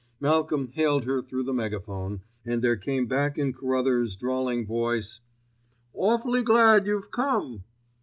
Malcolm hailed her through the megaphone, and there came back in Carruthers' drawling voice: "Awfully glad you've come!"